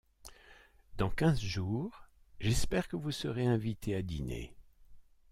Dans quinze jours, j’espère que vous serez invité à dîner.